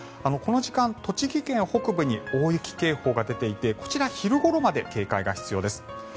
この時間、栃木県北部に大雪警報が出ていてこちら、昼ごろまで警戒が必要です。